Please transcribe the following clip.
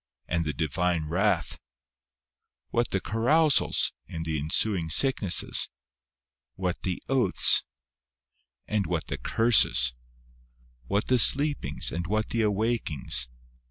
and the Divine wrath ? what the carousals, and the ensuing sicknesses ? what the oaths, and what the on Mystic Theology. 135 curses? what the sleepings, and what the awak ings